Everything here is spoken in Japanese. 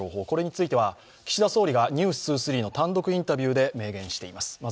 これについては岸田総理が「ｎｅｗｓ２３」の単独インタビューで明言しています。